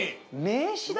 名刺だ。